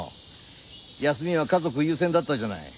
休みは家族優先だったじゃない。